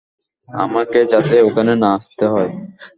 আমাকে যাতে ওখানে না আসতে হয়!